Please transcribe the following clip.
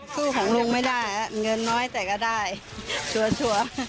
คู่ของลุงไม่ได้อ่ะเงินน้อยแต่ก็ได้ชัวร์ชัวร์